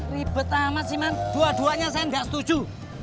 ribet amat sih man dua duanya saya nggak setuju